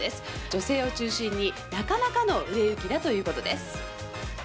女性を中心になかなかの売れ行きだということです。